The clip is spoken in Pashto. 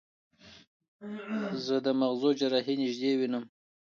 زه د مغزو جراحي نږدې وینم.